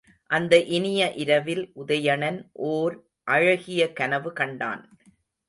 அந்த இனிய இரவில் உதயணன் ஓர் அழகிய கனவு கண்டான்.